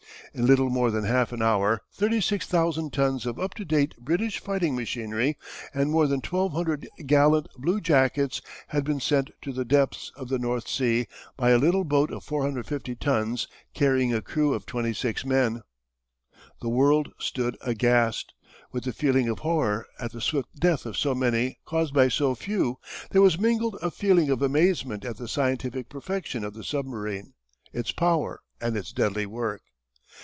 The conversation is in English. In little more than half an hour thirty six thousand tons of up to date British fighting machinery, and more than 1200 gallant blue jackets had been sent to the depths of the North Sea by a little boat of 450 tons carrying a crew of twenty six men. The world stood aghast. With the feeling of horror at the swift death of so many caused by so few, there was mingled a feeling of amazement at the scientific perfection of the submarine, its power, and its deadly work.